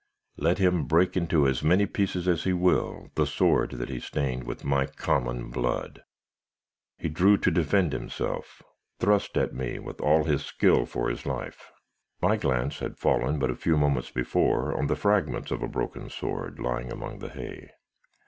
Let him break into as many pieces as he will, the sword that he stained with my common blood; he drew to defend himself thrust at me with all his skill for his life.' "My glance had fallen, but a few moments before, on the fragments of a broken sword, lying among the hay.